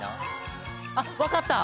あっ分かった。